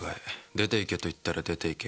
出て行けと言ったら出て行け。